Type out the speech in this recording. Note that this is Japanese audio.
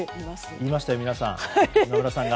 言いましたよ今村さんが。